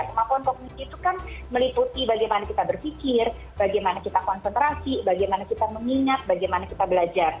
kemampuan kognisi itu kan meliputi bagaimana kita berpikir bagaimana kita konsentrasi bagaimana kita mengingat bagaimana kita belajar